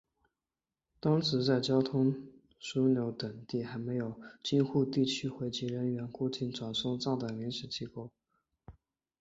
当时在交通枢纽等地还设有京沪地区回籍人员过境转送站等临时机构。